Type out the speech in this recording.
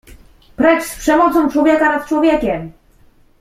Precz z przemocą człowieka nad człowiekiem!